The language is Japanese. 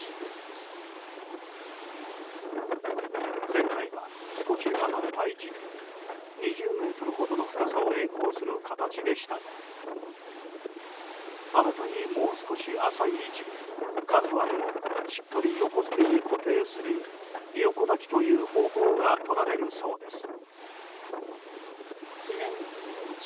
前回は少し離れた位置で２０ｍほどの深さを曳航する形でしたが新たにもう少し浅い位置で「ＫＡＺＵ１」をしっかり横づけに固定する横抱きという方法が取られるそうです。